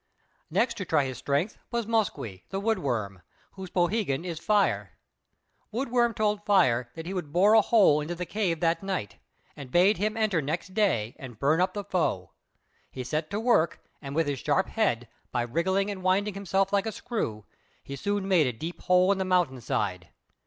Next to try his strength was Moskwe, the Wood Worm, whose poohegan is "Fire." Wood Worm told Fire that he would bore a hole into the cave that night, and bade him enter next day and burn up the foe. He set to work, and with his sharp head, by wriggling and winding himself like a screw, he soon made a deep hole in the mountain side.